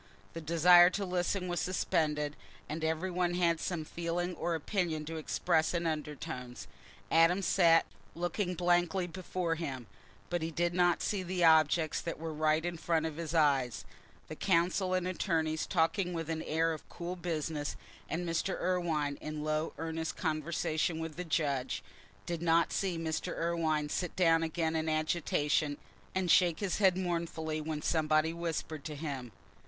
The desire to listen was suspended, and every one had some feeling or opinion to express in undertones. Adam sat looking blankly before him, but he did not see the objects that were right in front of his eyes—the counsel and attorneys talking with an air of cool business, and Mr. Irwine in low earnest conversation with the judge—did not see Mr. Irwine sit down again in agitation and shake his head mournfully when somebody whispered to him.